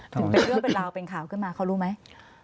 เป็นเรื่องเป็นราวเป็นข่าวขึ้นมาเขารู้ไหม